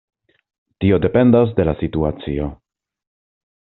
Tio dependas de la situacio.